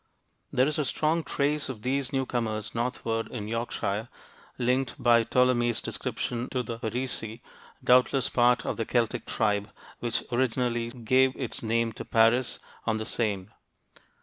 There is a strong trace of these newcomers northward in Yorkshire, linked by Ptolemy's description to the Parisii, doubtless part of the Celtic tribe which originally gave its name to Paris on the Seine.